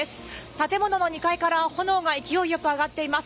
建物の２階から炎が勢いよく上がっています。